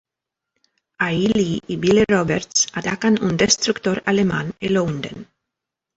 Allí Lee y Billy Roberts atacan un destructor alemán y lo hunden.